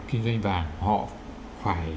kinh doanh vàng họ phải